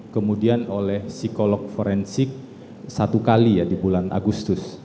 kemudian oleh psikolog forensik satu kali ya di bulan agustus